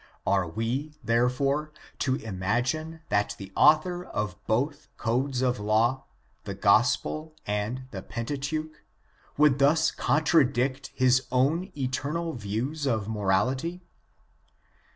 Are we, therefore, to imagine that the author of both codes of law, the Gospel and the Pentateuch, would thus con tradict his own eternal views of morality?